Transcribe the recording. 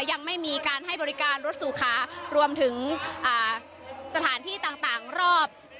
ยังไม่มีการให้บริการรถสู่ขารวมถึงสถานที่ต่างรอบ